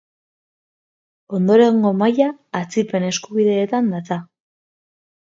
Ondorengo maila, atzipen eskubideetan datza.